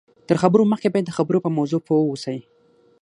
تر خبرو مخکې باید د خبرو په موضوع پوه واوسئ